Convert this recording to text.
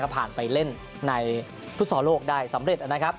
ผ่านไปเล่นในฟุตซอลโลกได้สำเร็จนะครับ